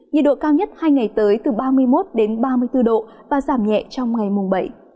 nhiệt độ cao nhất hai ngày tới từ ba mươi một đến ba mươi bốn độ và giảm nhẹ trong ngày mùng bảy